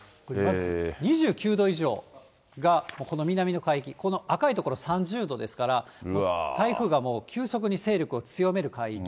２９度以上がこの南の海域、この赤い所、３０度ですから、台風がもう急速に勢力を強める海域。